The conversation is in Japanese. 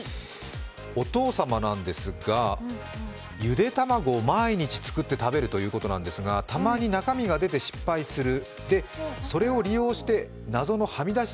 お父様なんですが、ゆで卵を毎日作って食べるということなんですが、たまに中身が出て失敗する、それを利用して謎のはみ出し